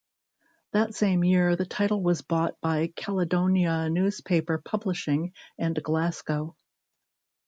That same year the title was bought by Caledonia Newspaper Publishing and Glasgow.